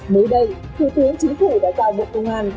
mới đây thủ tướng chính phủ đã cao bộ công an